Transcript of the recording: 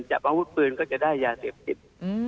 จับมหุ้ดปืนก็จะได้ยาเสพจิต